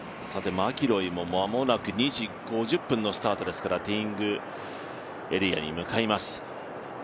マキロイも間もなく、２時５０分のスタートですからティーイングエリアに向かいます。